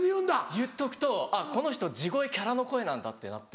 言っとくとあっこの人地声キャラの声なんだってなって。